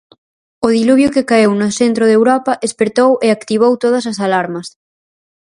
O diluvio que caeu no Centro de Europa espertou e activou todas as alarmas.